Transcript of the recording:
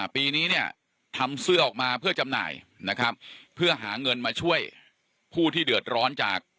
ปีนี้เนี่ยทำเสื้อออกมาเพื่อจำหน่ายนะครับเพื่อหาเงินมาช่วยผู้ที่เดือดร้อนจาก